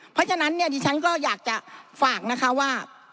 เพราะฉะนั้นดิฉันก็อยากจะฝากว่า